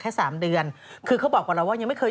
โอ้โฮเดี๋ยวนางว่าคนโสดต้องตาย